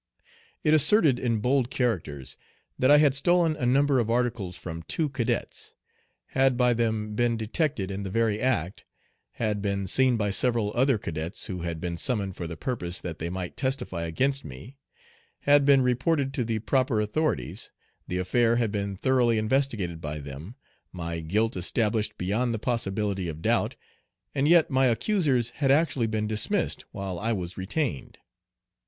It asserted in bold characters that I had stolen a number of articles from two cadets, had by them been detected in the very act, had been seen by several other cadets who had been summoned for the purpose that they might testify against me, had been reported to the proper authorities, the affair had been thoroughly investigated by them, my guilt established beyond the possibility of doubt, and yet my accusers had actually been dismissed while I was retained.